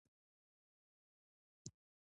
تعلیم نجونو ته د ونو کینول ور زده کوي.